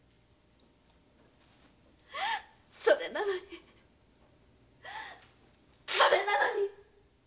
それなのにそれなのに！